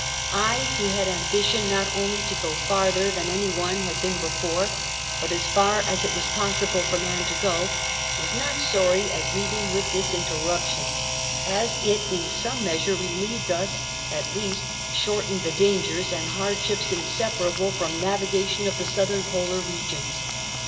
1, who had ambition not only to go farther than any one had been before, but as far as it was ])ossible for man to go, was not sorry at meeting with ibis interruption, as it in sonic iiicasiii'c I'clieved us, at least sliorteiicMl tlie dangers and hardships inseparable from the navigation of the southern ])olar regions.